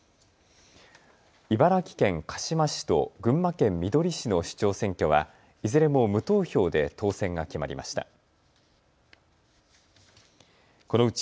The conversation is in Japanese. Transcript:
茨城県鹿嶋市と群馬県みどり市の市長選挙はいずれも無投票で当選が決まりました。